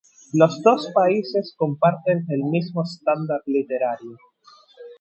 Los dos países comparten el mismo estándar literario.